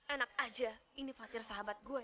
enak aja ini fatir sahabat gue